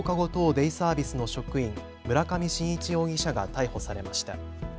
デイサービスの職員、村上信一容疑者が逮捕されました。